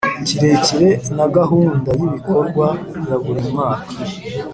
kirekire na gahunda y ibikorwa ya buri mwaka